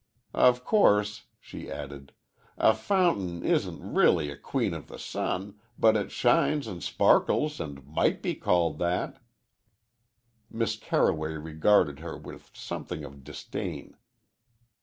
Of course," she added, "a fountain isn't really a queen of the sun, but it shines and sparkles and might be called that." Miss Carroway regarded her with something of disdain.